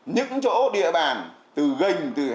những chỗ địa bàn từ gành từ hào từ đập tràng